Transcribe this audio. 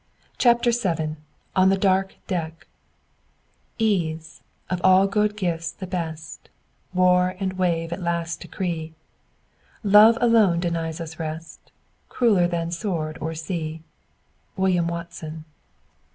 CHAPTER VII ON THE DARK DECK Ease, of all good gifts the best, War and wave at last decree: Love alone denies us rest, Crueler than sword or sea. William Watson.